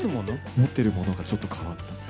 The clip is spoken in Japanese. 持ってるものがちょっと変わった。